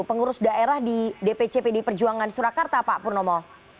pengurus daerah di dpp pdip perjuangan surakarta pak purnomo